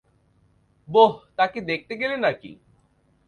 বোহ, তাকে দেখতে পেলে নাকি?